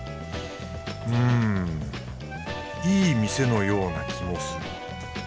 うんいい店のような気もする。